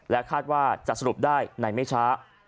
และคาดว่าร์จะสรุปได้ใหม่ไม่ช้า